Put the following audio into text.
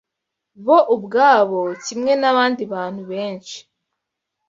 Bo ubwabo, kimwe n’abandi bantu benshi